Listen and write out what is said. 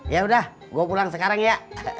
yaudah gue pulang sekarang ya